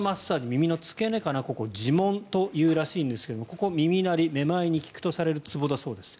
耳の付け根かな耳門というらしいんですが耳鳴り、めまいに効くとされるツボだそうです。